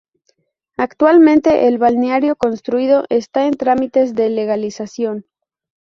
Actualmente el balneario construido está en trámites de legalización.